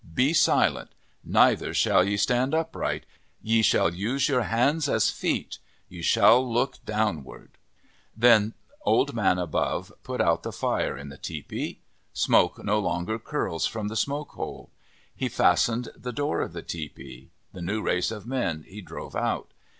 Be silent. Neither shall ye stand upright. Ye shall use your hands as feet. Ye shall look downward." Then Old Man Above put out the fire in the tepee. Smoke no longer curls from the smoke hole. He fastened the door of the tepee. The new race of men he drove out.